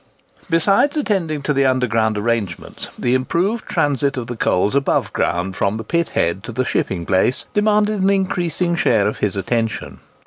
Besides attending to the underground arrangements, the improved transit of the coals above ground from the pithead to the shipping place, demanded an increasing share of his attention.